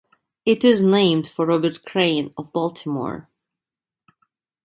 It is named for Robert Crain of Baltimore.